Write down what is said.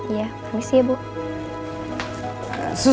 iya permisi ya bu